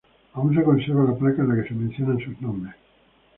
Aún se conserva la placa en la que se mencionan sus nombres.